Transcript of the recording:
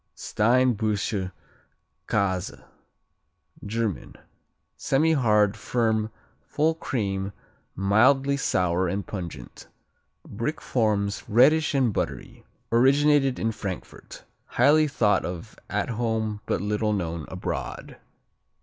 Steinbuscher Käse German Semihard; firm; full cream; mildly sour and pungent. Brick forms, reddish and buttery. Originated in Frankfurt. Highly thought of at home but little known abroad.